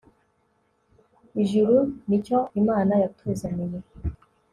ijuru, ni cyo imana yatuzaniye